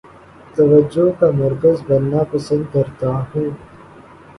توجہ کا مرکز بننا پسند کرتا ہوں